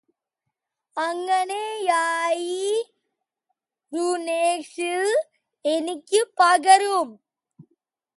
അങ്ങനെയായിരുന്നെങ്കില് എനിക്ക് പകരം